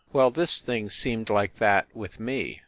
Well, this thing seemed like that, with me.